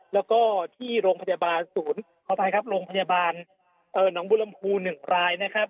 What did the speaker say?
และก็ที่โรงพยาบาลน้องบุรมภู๑รายนะครับ